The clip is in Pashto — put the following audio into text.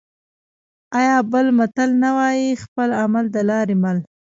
آیا بل متل نه وايي: خپل عمل د لارې مل؟